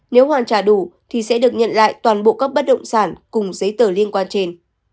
nếu hoàn trả đủ thì sẽ được nhận lại toàn bộ các bất động sản cùng giấy tờ liên quan trên